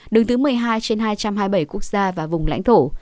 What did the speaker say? đứng thứ một mươi hai trên hai trăm hai mươi bảy quốc gia và vùng lãnh thổ